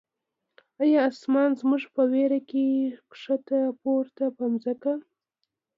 یا آسمان زمونږ په ویر کی، ښکته پریوته په ځمکه